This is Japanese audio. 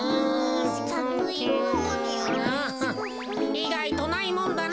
いがいとないもんだな。